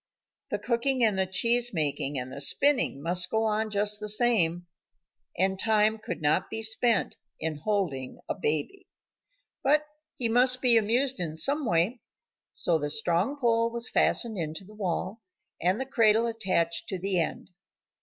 The cooking and the cheese making and the spinning must go on just the same, and time could not be spent in holding a baby. But he must be amused in some way. So the strong pole was fastened into the wall, and the cradle attached to the end.